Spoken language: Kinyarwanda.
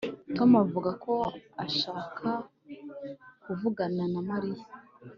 Tom avuga ko ashaka kuvugana na Mariya